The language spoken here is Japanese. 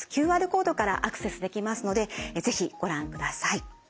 ＱＲコードからアクセスできますので是非ご覧ください。